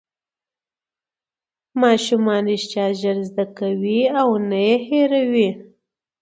ماشومان رښتیا ژر زده کوي او هېر یې نه کوي